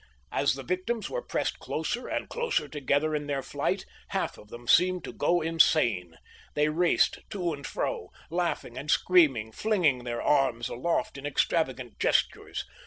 As the victims were pressed closer and closer together in their flight, half of them seemed to go insane. They raced to and fro, laughing and screaming, flinging their arms aloft in extravagant gestures.